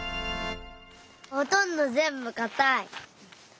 ほとんどぜんぶかたい。